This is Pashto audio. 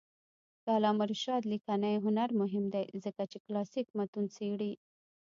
د علامه رشاد لیکنی هنر مهم دی ځکه چې کلاسیک متون څېړي.